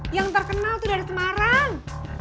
yang terkenal tuh dari semarang